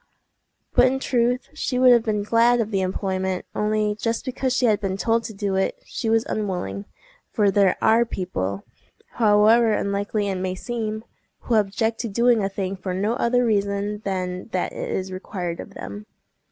But in truth she would have been glad of the employment, only just because she had been told to do it, she was unwilling; for there are people—however unlikely it may seem—who object to doing a thing for no other reason than that it is required of them.